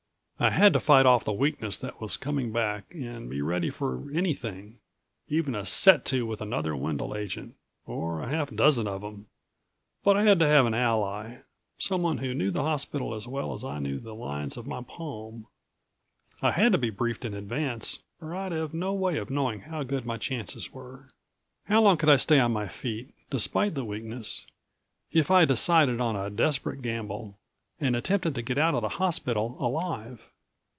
I had to fight off the weakness that was coming back and be ready for anything even a set to with another Wendel agent or a half dozen of them. But I had to have an ally, someone who knew the hospital as well as I knew the lines of my palm. I had to be briefed in advance, or I'd have no way of knowing how good my chances were. How long could I stay on my feet, despite the weakness, if I decided on a desperate gamble and attempted to get out of the hospital alive?